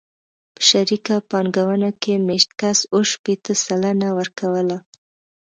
په شریکه پانګونه کې مېشت کس اوه شپېته سلنه ورکوله